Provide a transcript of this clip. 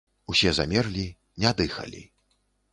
Усе замерлі, не дыхалі.